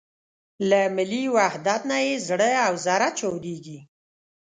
له ملي وحدت نه یې زړه او زره چاودېږي.